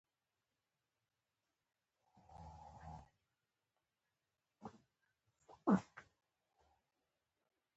زیارت په اړه یې معلومات راکړي دي.